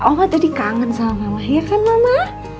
oh tadi kangen sama mama ya kan mama